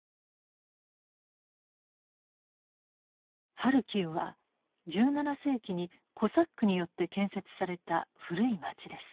ハルキウは１７世紀にコサックによって建設された古い町です。